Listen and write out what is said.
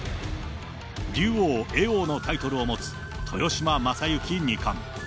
竜王、叡王のタイトルを持つ豊島将之二冠。